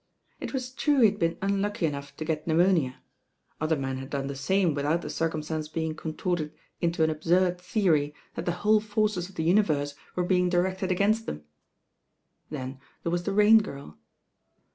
It was true he had been unlucky enough to g.i pneumonia. Other men Htd done the same without the circumstance being contorted into an absurd theory that the whole forces of the universe were being directed against Then there was the Rain^irl.